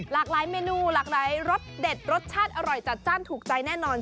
หลากหลายเมนูหลากหลายรสเด็ดรสชาติอร่อยจัดจ้านถูกใจแน่นอน